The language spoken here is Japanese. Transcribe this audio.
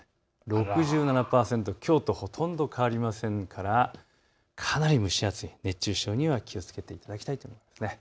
６７％、きょうとほとんど変わりませんから、かなり蒸し暑い、熱中症には気をつけていただきたいと思います。